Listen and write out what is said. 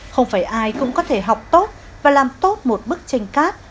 không phải ai cũng có thể học tốt và làm tốt một bức tranh cát